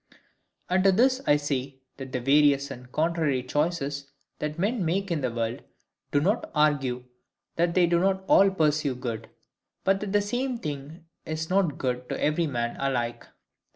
And to this I say, that the various and contrary choices that men make in the world do not argue that they do not all pursue good; but that the same thing is not good to every man alike.